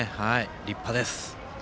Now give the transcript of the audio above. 立派です。